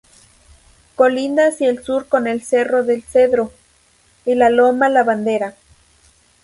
Colinda hacia el sur con el Cerro El Cedro y la Loma La Bandera.